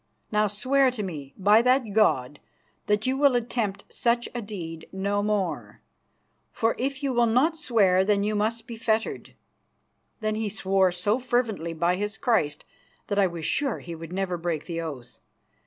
Now swear to me by that God that you will attempt such a deed no more, for if you will not swear then you must be fettered." Then he swore so fervently by his Christ that I was sure he would never break the oath.